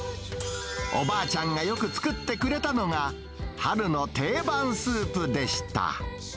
おばあちゃんがよく作ってくれたのが、春の定番スープでした。